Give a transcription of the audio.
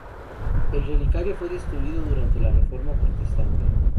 El relicario fue destruido durante la reforma protestante.